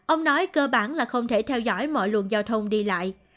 ông nói cơ bản là không thể theo dõi mọi luồng giao thông đi lại